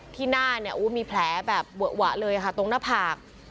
ที่หน้ามีแผลแบบเหวะเลยตรงหน้าผาก